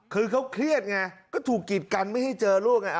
คือเขาเครียดไงก็ถูกกิดกันไม่ให้เจอลูกไง